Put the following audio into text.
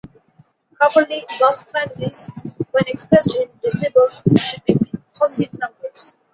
Properly, loss quantities, when expressed in decibels, should be positive numbers.